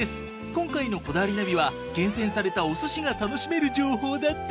今回の『こだわりナビ』は厳選されたお寿司が楽しめる情報だって！